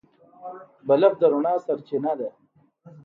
بلب د رڼا سرچینه ده.